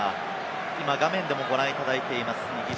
画面でご覧いただいています。